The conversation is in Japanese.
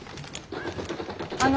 あの。